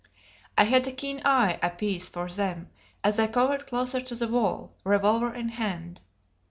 I had a keen eye apiece for them as I cowered closer to the wall, revolver in hand.